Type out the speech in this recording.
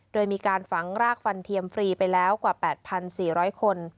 โดยมีการฝังรากฟันเทียมฟรีไปแล้วกว่า๘๔๐๐คน